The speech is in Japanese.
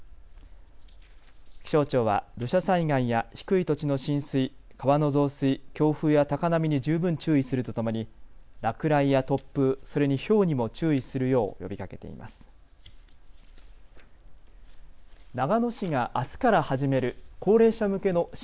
気象庁は土砂災害や低い土地の浸水、川の増水、強風や高波に十分注意するとともに落雷や突風、それに、ひょうにも注意するよう呼びかけています。